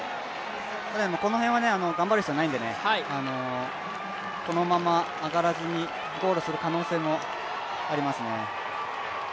この辺は頑張る必要ないのでこのまま上がらずにゴールする可能性もありますね。